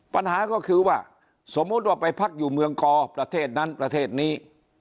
ปัญหาก็คือว่าสมมุติว่าไปพักอยู่เมืองกอประเทศนั้นประเทศนี้